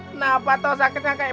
kenapa tau sakitnya kayak